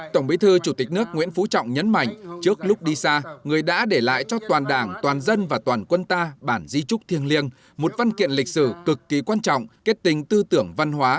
tổng bí thư chủ tịch nước nguyễn phú trọng nhấn mạnh trước lúc đi xa người đã để lại cho toàn đảng toàn dân và toàn quân ta bản di trúc thiêng liêng một văn kiện lịch sử cực kỳ quan trọng kết tình tư tưởng văn hóa